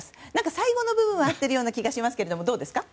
最後の部分は合っている気がしますがどうですか？